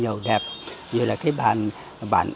dầu đẹp như là cái bản